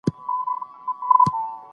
کینه او دښمني مه پالئ.